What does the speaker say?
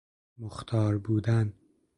مختار بودن